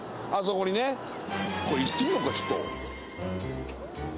これ行ってみようかちょっと。